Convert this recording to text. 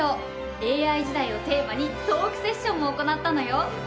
ＡＩ時代をテーマにトークセッションも行ったのよ。